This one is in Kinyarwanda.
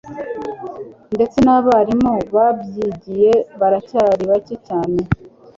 ndetse n'abarimu babyigiye baracyari bake cyane